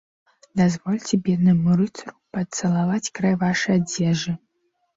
Дазвольце беднаму рыцару пацалаваць край вашай адзежы.